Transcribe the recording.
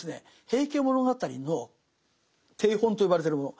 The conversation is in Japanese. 「平家物語」の定本と呼ばれてるもの